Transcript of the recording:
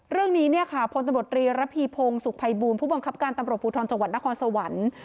เรื่องนี้เนี่ยค่ะพลตำรวจรีระพีพงศ์สุขภัยบูลผู้บังคับการตำรวจภูทรจังหวัดนครสวรรค์